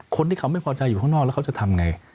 คนที่เขาไม่พอใจอยู่ข้างนอกแล้วเขาจะทำไง